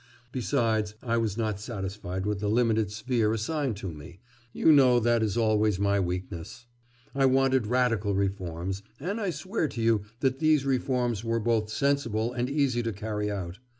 Besides, I was not satisfied with the limited sphere assigned to me you know that is always my weakness. I wanted radical reforms, and I swear to you that these reforms were both sensible and easy to carry out.